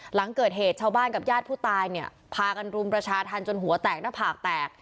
หลังเกิดเหตุชาวบ้านกับญาติผู้ตายเนี่ยพากันรุมประชาธรรมจนหัวแตกหน้าผากแตก